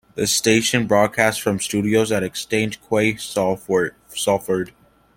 The station broadcasts from studios at Exchange Quay, Salford.